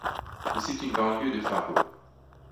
C’est une banlieue de Fargo.